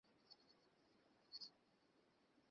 আমাদের ছেলেকে দেখে রাখিস।